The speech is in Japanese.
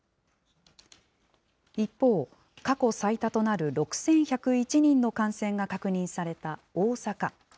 一方、過去最多となる６１０１人の感染が確認された大阪。